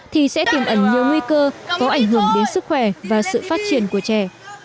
thì sẽ tiềm ẩn nhiều nguy cơ có ảnh hưởng đến sức khỏe và sự phát triển của trẻ